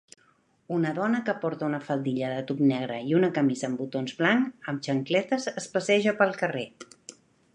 Una dona que porta una faldilla de tub negre i una camisa amb botons blanc amb xancletes es passeja pel carrer.